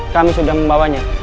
kami sudah membawanya